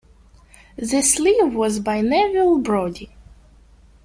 The sleeve was by Neville Brody.